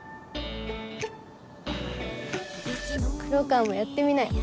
黒川もやってみなよ。